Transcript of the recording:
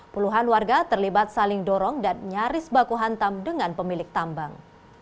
puluhan warga terlibat saling dorong dan nyaris baku hantam dengan pemilik tambang